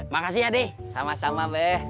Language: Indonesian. makasih ya dih sama sama beh